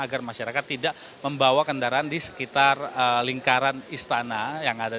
agar masyarakat tidak membawa kendaraan di sekitar lingkaran istana